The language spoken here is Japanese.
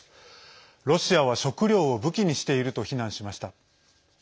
ロシアは食料を武器にしていると非難しました。